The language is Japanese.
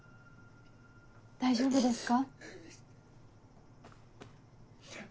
大丈夫ですか？